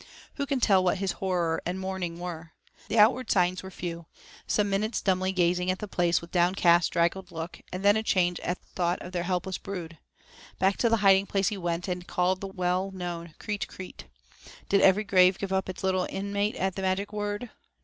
Who can tell what his horror and his mourning were? The outward signs were few, some minutes dumbly gazing at the place with downcast, draggled look, and then a change at the thought of their helpless brood. Back to the hiding place he went, and called the well known 'kreet, kreet.' Did every grave give up its little inmate at the magic word?